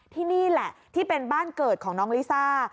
ที่นี่แหละที่เป็นบ้านเกิดของน้องลิซ่า